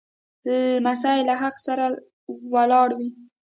لمسی له حق سره ولاړ وي.